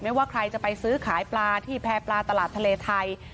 ว่าใครจะไปซื้อขายปลาที่แพร่ปลาตลาดทะเลไทย